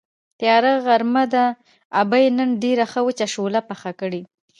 تیاره غرمه ده، ابۍ نن ډېره ښه وچه شوتله پخه کړې.